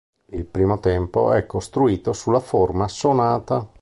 Il primo tempo è costruito sulla forma sonata.